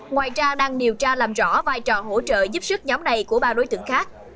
ngoài ra đang điều tra làm rõ vai trò hỗ trợ giúp sức nhóm này của ba đối tượng khác